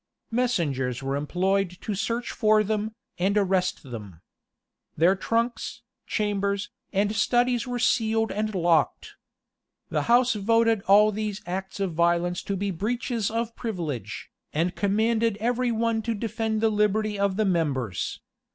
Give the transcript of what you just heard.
Messengers were employed to search for them, and arrest them. Their trunks, chambers, and studies were sealed and locked. The house voted all these acts of violence to be breaches of privilege, and commanded every one to defend the liberty of the members.